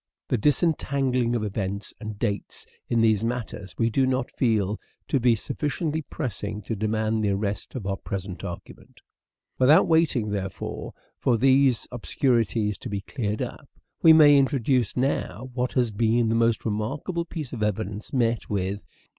The disentangling of events and dates in these matters we do not feel to be suffi ciently pressing to demand the arrest of our present argument. Without waiting, therefore, for these obscurities to be cleared up, we may introduce now what has been the most remarkable piece of evidence met with in the 280 " SHAKESPEARE " IDENTIFIED A sensa tional discovery.